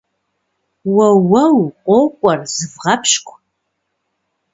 Уэуэу, къокӏуэр, зывгъэпщкӏу!